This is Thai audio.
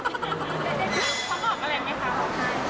เขาบอกอะไรไหมคะ